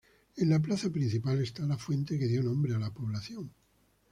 En la plaza principal está la fuente que dio nombre a la población.